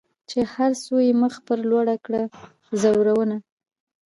چي هر څو یې مخ پر لوړه کړه زورونه